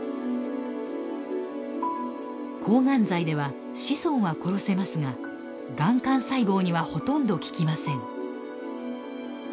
抗がん剤では子孫は殺せますががん幹細胞にはほとんど効きません。